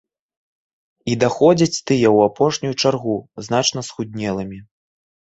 І даходзяць тыя ў апошнюю чаргу, значна схуднелымі.